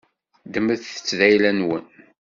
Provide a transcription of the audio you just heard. Ddmet-tt d ayla-nwen.